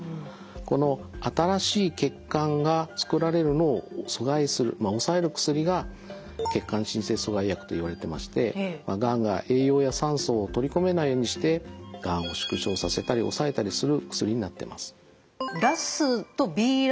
この新しい血管がつくられるのを阻害する抑える薬が血管新生阻害薬といわれてましてがんが栄養や酸素を取り込めないようにしてがんを縮小させたり抑えたりする薬になってます。